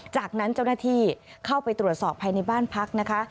จากนั้นเจ้าหน้าที่เข้าไปตรวจสอบภายในบ้านพักนะคะ